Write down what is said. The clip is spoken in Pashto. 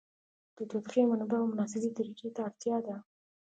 د تودوخې منبع او مناسبې طریقې ته اړتیا ده.